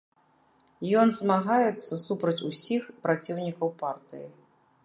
Ён змагаецца супраць усіх праціўнікаў партыі.